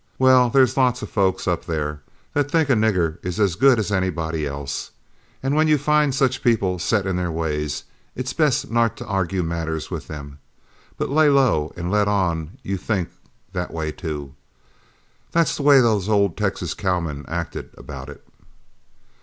Well, there's lots of folks up there that think a nigger is as good as anybody else, and when you find such people set in their ways, it's best not to argue matters with them, but lay low and let on you think that way too. That's the way those old Texas cowmen acted about it.